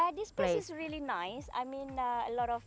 ini tempatnya sangat bagus